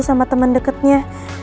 sama temen deketnya